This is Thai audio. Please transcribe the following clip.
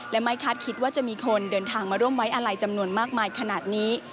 และไม่คาดคิดว่าจะมีคนเดินทางมาร่วมไว้อะไรจำนวนมากมายขนาดนี้